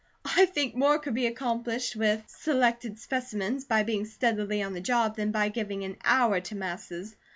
"I think more could be accomplished with selected specimens, by being steadily on the job, than by giving an hour to masses.